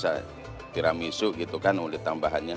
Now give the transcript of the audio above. tidak ada yang piramisu gitu kan boleh tambahannya